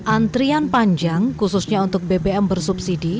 antrian panjang khususnya untuk bbm bersubsidi